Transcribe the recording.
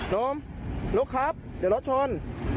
น้องนกครับเดี๋ยวรถชน